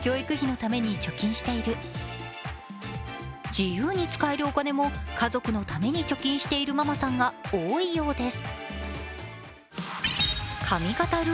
自由に使えるお金も家族のために貯金しているママさんが多いようです。